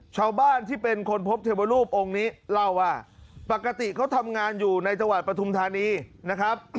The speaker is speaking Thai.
ชาวบ้านที่เป็นคนพบเทวรูปองค์นี้เล่าว่าปกติเขาทำงานอยู่ในจังหวัดปฐุมธานีนะครับ